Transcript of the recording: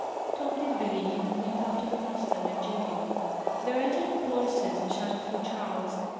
Tom did believe, and went after the master and Judy. They entered the cloisters, and shouted for Charles.